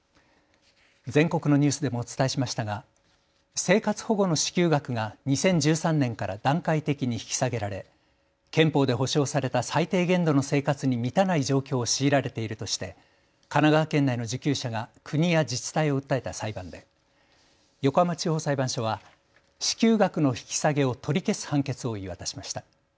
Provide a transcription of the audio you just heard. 全国のニュースでもお伝えしましたが生活保護の支給額が２０１３年から段階的に引き下げられ憲法で保障された最低限度の生活に満たない状況を強いられているとして神奈川県内の受給者が国や自治体を訴えた裁判で横浜地方裁判所は支給額の引き下げを取り消す判決を言い渡しました。